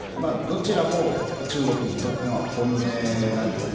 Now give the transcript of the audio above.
どちらも中国にとっての本音なんですね。